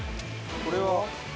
これは。